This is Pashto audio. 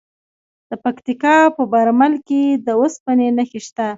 د پکتیکا په برمل کې د اوسپنې نښې شته.